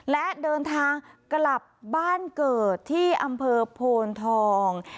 และเดินทางกลับบ้านเกิดที่อำเภอโพนทอง